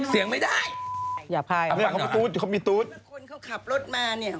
เอาดูหน่อย